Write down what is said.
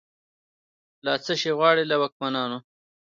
لا« څشي غواړی» له واکمنانو